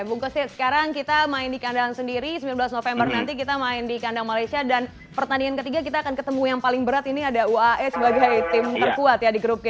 bungkusti sekarang kita main di kandang sendiri sembilan belas november nanti kita main di kandang malaysia dan pertandingan ketiga kita akan ketemu yang paling berat ini ada uae sebagai tim terkuat ya di grup g